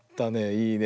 いいね。